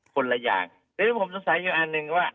คนละอย่างแต่ที่ผมสงสัยอยู่อันหนึ่งว่า